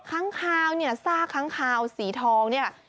ค้างคาวเนี่ยซากค้างคาวสีทองเนี่ย